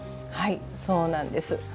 はいそうなんです。